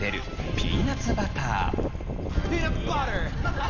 ピーナツバター。